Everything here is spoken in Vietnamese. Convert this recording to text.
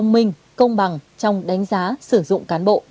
minh công bằng trong đánh giá sử dụng cán bộ